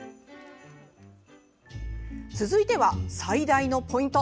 続いては最大のポイント。